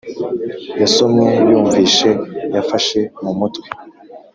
yasomye, yumvishe, yafashe mu mutwe